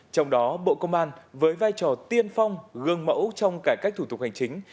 trong đó bộ công an với vai trò tiên phong gương mẫu trong cải cách thủ tục hành chính